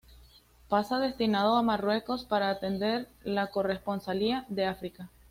Pasa destinado a Marruecos para atender la corresponsalía de Africa.